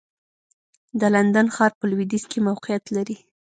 د لندن ښار په لوېدیځ کې موقعیت لري.